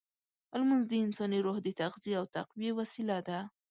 لمونځ د انساني روح د تغذیې او تقویې وسیله ده.